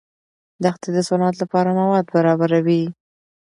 دښتې د صنعت لپاره مواد برابروي.